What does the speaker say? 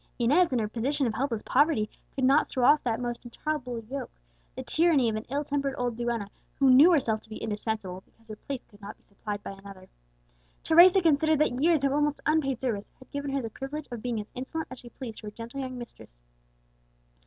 Inez, in her position of helpless poverty, could not throw off that most intolerable yoke, the tyranny of an ill tempered old duenna, who knew herself to be indispensable, because her place could not be supplied by another. Teresa considered that years of almost unpaid service had given her the privilege of being as insolent as she pleased to her gentle young mistress.